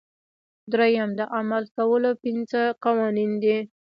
دریم د عمل کولو پنځه قوانین دي.